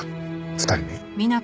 ２人に。